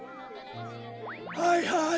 はいはい